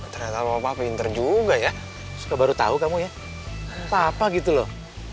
ternyata mama pinter juga ya suka baru tahu kamu ya apa apa gitu loh